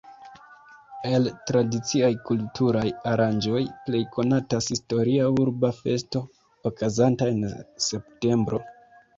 El tradiciaj kulturaj aranĝoj plej konatas historia urba festo, okazanta en septembro.